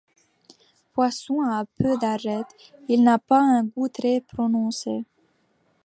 Poisson à peu d'arêtes, il n'a pas un goût très prononcé.